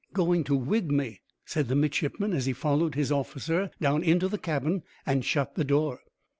"Going to wig me," said the midshipman, as he followed his officer down into the cabin and shut the door.